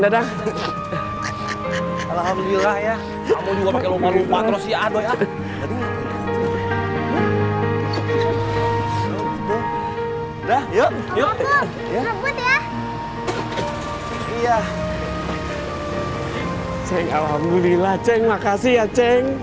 ceng makasih ya ceng makasih ya ceng